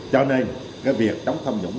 cho nên cái việc đấu tranh chống tham nhũng